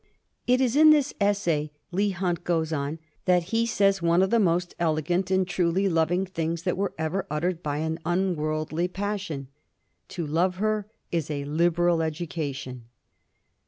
* It is in this essay,' Leigh Hunt goes on, ' that he says one of the most elegant and truly loving things that were ever uttered by an unworldly passion :" To love her is a liberal education."